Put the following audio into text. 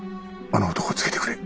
あの男つけてくれ。